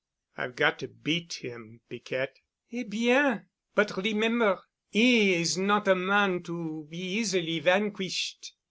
"I've got to beat him, Piquette." "Eh, bien! But remember, 'e is not a man to be easily vanquished.